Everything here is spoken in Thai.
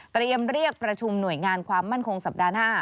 เตรียมเรียกประชุมหน่วยงานความมั่นคงสัปดาห์๕